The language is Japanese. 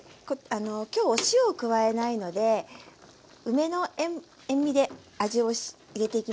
今日お塩を加えないので梅の塩味で味を入れていきますね。